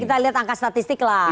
kita lihat angka statistik lah